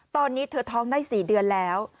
ตอนนี้เธอท้องได้๔เดือนแล้ว